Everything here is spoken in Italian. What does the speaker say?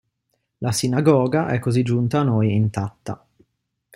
La sinagoga è così giunta a noi intatta.